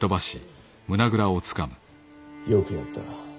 よくやった。